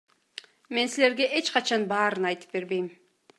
Мен силерге эч качан баарын айтып бербейм.